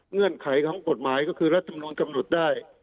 เงื่อนไขของกฎหมายก็คือรัฐมนุนกำหนดได้